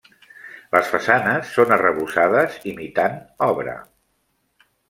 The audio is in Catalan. Les façanes són arrebossades imitant obra.